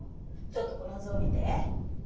ちょっとこの図を見て。